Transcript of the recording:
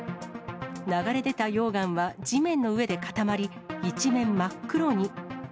流れ出た溶岩は、地面の上で固まり、一面真っ黒に。